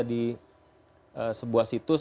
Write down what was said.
di sebuah situs